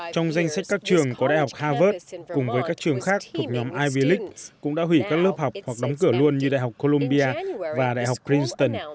trong danh sách các trường có đại học harvard cùng với các trường khác của nhóm ivy league cũng đã hủy các lớp học hoặc đóng cửa luôn như đại học columbia và đại học princeton